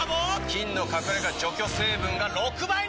菌の隠れ家除去成分が６倍に！